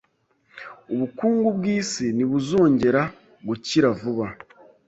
Ubukungu bwisi ntibuzongera gukira vuba.